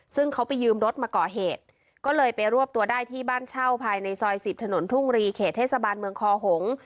ซึ่งเขาไปยืมรถมาก่อเหตุก็เลยไปรวบตัวได้ที่บ้านเช่าภายในซอย๑๐ถนนทุ่งรีเขตเทศบาลเมืองคอหงษ์